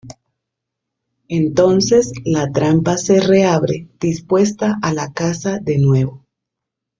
Entonces la trampa se reabre dispuesta a la caza de nuevo.